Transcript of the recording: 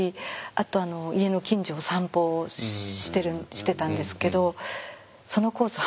あと家の近所を散歩してたんですけどそのコース